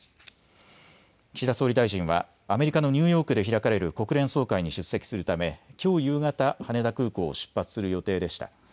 岸田総理大臣はアメリカのニューヨークで開かれる国連総会に出席するためきょう夕方、羽田空港を出発する予定でした。